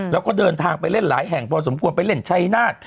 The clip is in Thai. แล้วก็เดินทางไปเล่นหลายแห่งพอสมควรไปเล่นชัยนาฏ